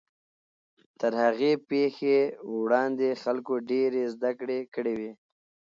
تر هغې پیښې وړاندې خلکو ډېرې زدهکړې کړې وې.